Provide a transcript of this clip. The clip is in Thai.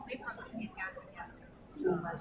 เวลาแรกพี่เห็นแวว